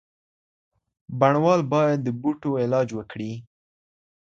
بڼوال باید د بوټو علاج وکړي.